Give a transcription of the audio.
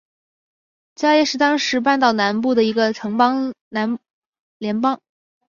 伽倻是当时半岛南部的一个城邦联盟。